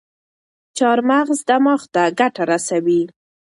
چارمغز دماغ ته ګټه رسوي.